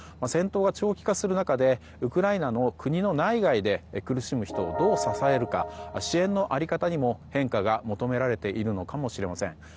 戦闘が長期化する中でウクライナの国の内外で苦しむ人をどう支えるか支援の在り方にも変化が求められているのかもしれません。